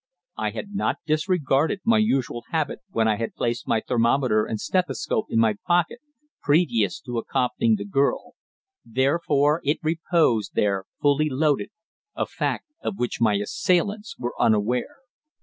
I had not disregarded my usual habit when I had placed my thermometer and stethoscope in my pocket previous to accompanying the girl; therefore it reposed there fully loaded, a fact of which my assailants were unaware.